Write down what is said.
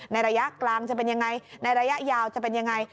ในระยะกลางจะเป็นอย่างไรในระยะยาวจะเป็นอย่างไร